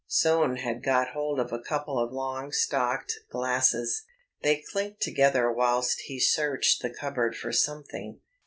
Soane had got hold of a couple of long stalked glasses. They clinked together whilst he searched the cupboard for something.